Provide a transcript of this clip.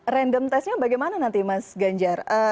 random testnya bagaimana nanti mas ganjar